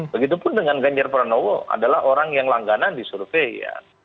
begitupun dengan ganjar pranowo adalah orang yang langganan di survei ya